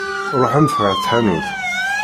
Ṛuḥemt ɣer tḥanut!